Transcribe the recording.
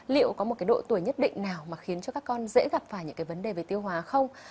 liệu có một cái độ tuổi nhất định nào mà khiến cho các con dễ gặp phải những cái vấn đề về tiêu hóa không